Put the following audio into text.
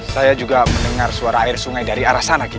saya juga mendengar suara air sungai dari arah sana